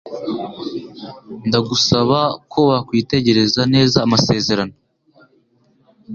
Ndagusaba ko wakwitegereza neza amasezerano.